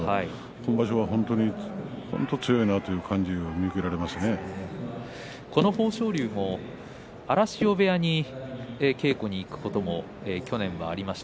今場所は本当に強いな豊昇龍も荒汐部屋に稽古に行くことも去年はありました。